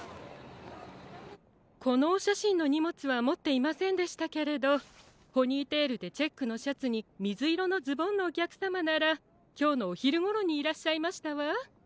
このおしゃしんのにもつはもっていませんでしたけれどポニーテールでチェックのシャツにみずいろのズボンのおきゃくさまならきょうのおひるごろにいらっしゃいましたわ。